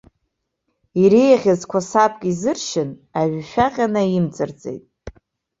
Иреиӷьыз қәасабк изыршьын, ажәҩашәаҟьа наимҵарҵеит.